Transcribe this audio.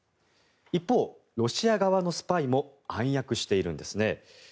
一方、ロシア側のスパイも暗躍しているんですね。